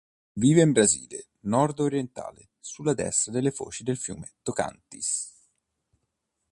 Vive in Brasile nord-orientale, sulla destra delle foci del fiume Tocantins.